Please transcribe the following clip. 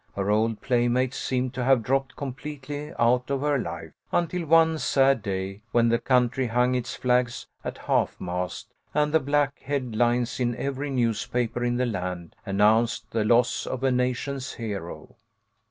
Her old playmates seemed to have dropped completely out of her life, until one sad day when the country hung its flags at half mast, and the black head lines in every news paper in the land announced the loss of a nation's hero.